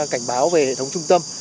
cảnh báo về hệ thống trung tâm